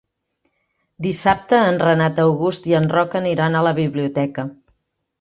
Dissabte en Renat August i en Roc aniran a la biblioteca.